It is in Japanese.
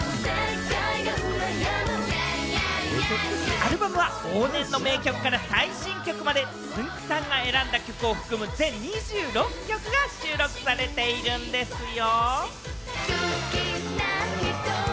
アルバムは往年の名曲から最新曲まで、つんく♂さんが選んだ曲を含む、全２６曲が収録されているんですよ。